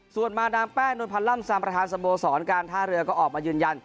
ส่วนมาดามแป้งนวลพันธ์ล่ำซามประธานสโมสรการท่าเรือก็ออกมายืนยัน